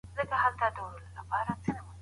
د جلاد سر به پخپل تبر پاره شي